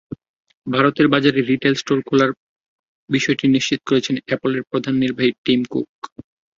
ভারতের বাজারে retail store খোলার বিষয়টি নিশ্চিত করেছেন অ্যাপলের প্রধান নির্বাহী টিম কুক।